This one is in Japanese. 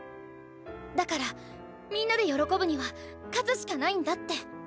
だからみんなで喜ぶには勝つしかないんだって。